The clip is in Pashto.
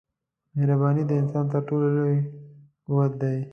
مهرباني د انسان تر ټولو لوی قوت دی.